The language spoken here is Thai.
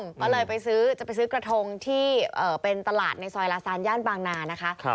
ก็เลยไปซื้อจะไปซื้อกระทงที่เป็นตลาดในซอยลาซานย่านบางนานะคะ